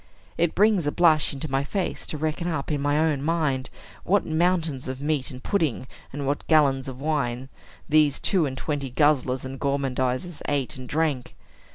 It brings a blush into my face to reckon up, in my own mind, what mountains of meat and pudding, and what gallons of wine, these two and twenty guzzlers and gormandizers ate and drank.